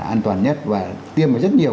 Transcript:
an toàn nhất và tiêm vào rất nhiều